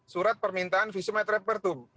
surat permintaan visum raya